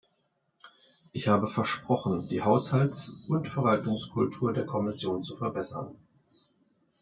Ich habe versprochen, die Haushalts- und Verwaltungskultur der Kommission zu verbessern.